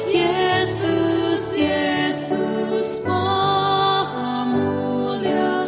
yesus yesus maha mulia